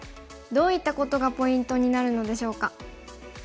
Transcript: どういったことがポイントになるのでしょうか。